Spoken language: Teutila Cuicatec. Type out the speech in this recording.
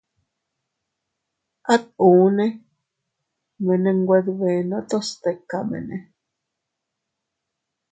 At unne mene nwe dbenotos tikamene.